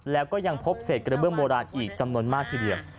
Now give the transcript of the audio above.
แล้วก็ยังพบเศษกระเบื้องโบราณอีกจำนวนมากทีเดียว